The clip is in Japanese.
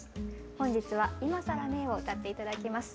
本日は「今さらねぇ」を歌って頂きます。